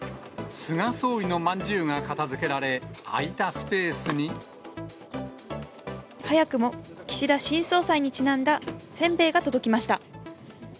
菅総理のまんじゅうが片づけ早くも、岸田新総裁にちなんだせんべいが届きました。